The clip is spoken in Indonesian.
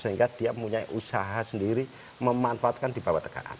sehingga dia punya usaha sendiri memanfaatkan di bawah tekanan